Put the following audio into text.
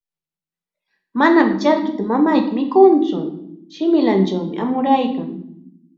"Manam charkita wamrayki mikuntsu, shimillanchawmi amuraykan."